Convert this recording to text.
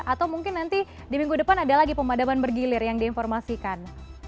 atau mungkin nanti di minggu depan ada lagi pemadaman bergilir yang diinformasikan